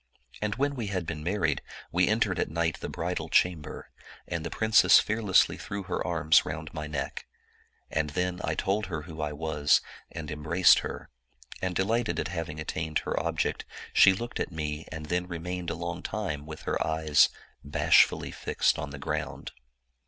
And when we had been married, we entered at night the bridal cham ber, and the princess fearlessly thr6w her arms round my neck. And then I told her who I was, and embraced her, and delighted at having attained her object, she looked at me and then remained a long time with her eyes bashfully fixed on the ground.